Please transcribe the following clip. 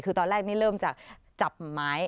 คือตอนแรกนี้เริ่มจากจับไม้